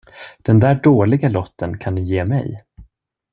Den där dåliga lotten kan ni ge mig.